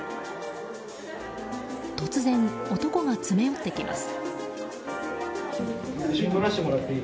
突然、男が詰め寄ってきます。